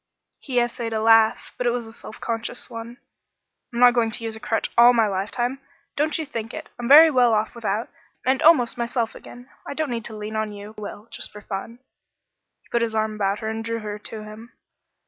He essayed a laugh, but it was a self conscious one. "I'm not going to use a crutch all my lifetime; don't you think it. I'm very well off without, and almost myself again. I don't need to lean on you but I will just for fun." He put his arm about her and drew her to him.